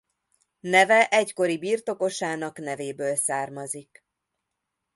Neve egykori birtokosának nevéből származik.